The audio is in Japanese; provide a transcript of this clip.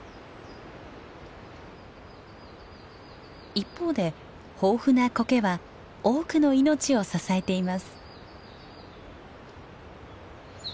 一方で豊富なコケは多くの命を支えています。